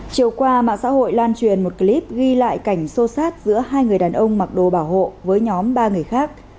chiều qua mạng xã hội lan truyền một clip ghi lại cảnh sô sát giữa hai người đàn ông mặc đồ bảo hộ với nhóm ba người khác